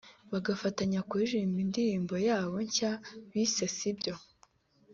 bagafatanya kuririmba indirimbo yabo nshya bise ‘Sibyo’